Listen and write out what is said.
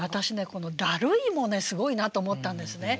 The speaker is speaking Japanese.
この「だるい」もねすごいなと思ったんですね。